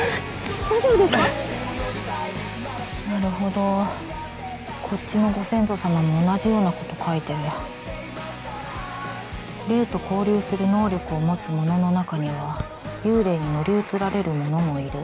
大丈夫ですかなるほどこっちのご先祖様も同じようなこと書いてるや「霊と交流する能力を持つ者の中には」「幽霊に乗り移られる者もいる」